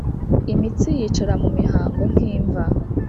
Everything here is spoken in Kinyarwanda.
imitsi yicara mu mihango nk'imva;